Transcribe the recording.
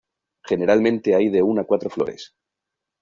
Generalmente hay de una a cuatro flores.